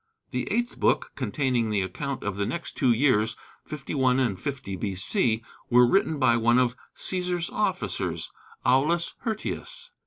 The eighth book, containing the account of the next two years, 51 and 50 B.C., was written by one of Cæsar's officers, Aulus Hirtius.